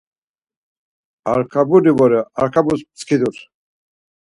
Arkaburi vore, Arkabis pskidur.